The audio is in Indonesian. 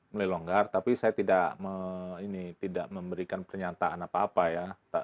mulai longgar tapi saya tidak memberikan pernyataan apa apa ya